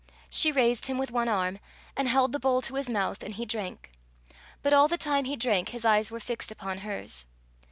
She raised him with one arm, and held the bowl to his mouth, and he drank; but all the time he drank, his eyes were fixed upon hers.